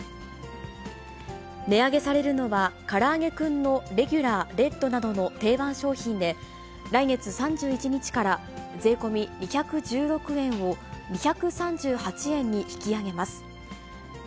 値上げされるのは、からあげクンのレギュラー、レッドなどの定番商品で、来月３１日から、税込み２１６円を２３８円に引き上げます。